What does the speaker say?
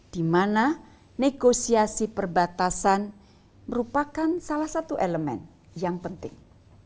dimana negosiasi perbatasan merupakan salah satu elemen yang penting